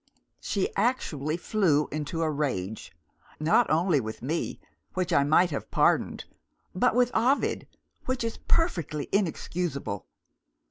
"She actually flew into a rage! Not only with me (which I might have pardoned), but with Ovid (which is perfectly inexcusable).